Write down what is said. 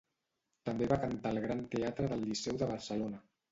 També va cantar al Gran Teatre del Liceu de Barcelona.